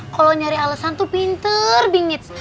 kalo nyari alesan tuh pinter bingits